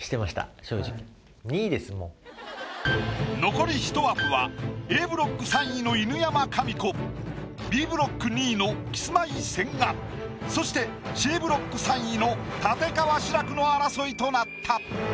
残りひと枠はＡブロック３位の犬山紙子Ｂブロック２位のキスマイ千賀そしてＣブロック３位の立川志らくの争いとなった。